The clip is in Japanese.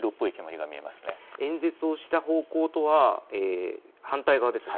演説をした方向とは反対側ですね。